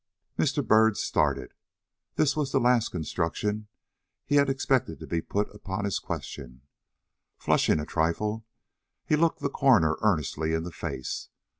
Mr. Byrd started. This was the last construction he had expected to be put upon his question. Flushing a trifle, he looked the coroner earnestly in the face.